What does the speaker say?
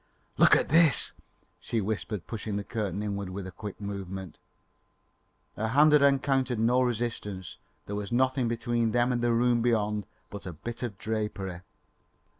"Look at this!" she whispered, pushing the curtain inward with a quick movement. Her hand had encountered no resistance. There was nothing between them and the room beyond but a bit of drapery.